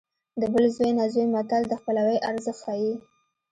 د بل زوی نه زوی متل د خپلوۍ ارزښت ښيي